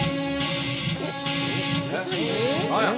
何や！